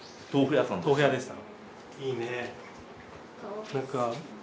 豆腐屋でした。